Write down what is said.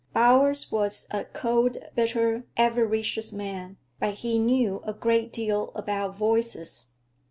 Bowers was a cold, bitter, avaricious man, but he knew a great deal about voices.